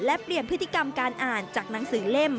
และเปลี่ยนพฤติกรรมการอ่านจากหนังสือเล่ม